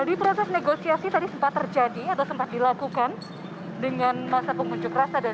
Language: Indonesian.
aldi proses negosiasi tadi sempat terjadi atau sempat dilakukan dengan masa pengunjuk rasa